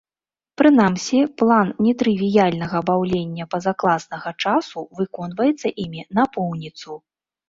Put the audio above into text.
Прынамсі, план нетрывіяльнага баўлення пазакласнага часу выконваецца імі напоўніцу.